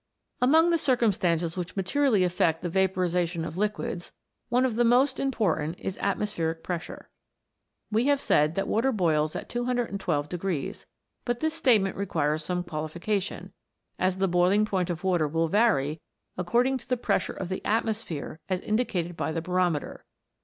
* Among the circumstances which materially affect the vaporization of liquids, one of the most im portant is atmospheric pressure. We have said that water boils at 212, but this statement requires some qualification, as the boiling point of water will vary according to the pressure of the atmosphere as indicated by the barometer.